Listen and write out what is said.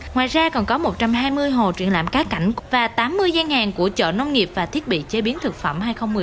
ngoài ra còn có một trăm hai mươi hồ trưởng lãm cá cảnh và tám mươi gian hàng của chợ nông nghiệp và thiết bị chế biến thực phẩm hai nghìn một mươi chín